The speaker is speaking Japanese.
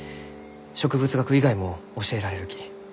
植物学以外も教えられるき。